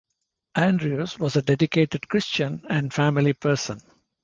Andrews was a dedicated Christian and family person.